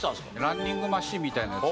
ランニングマシンみたいなやつ。